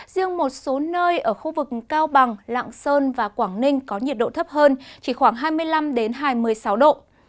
riêng một số nơi ở khu vực cao bằng lạng sơn và quảng ninh có nhiệt độ thấp hơn chỉ khoảng hai mươi năm hai mươi sáu độ